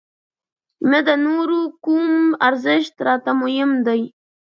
نه د نورو کوم ارزښت راته مهم دی.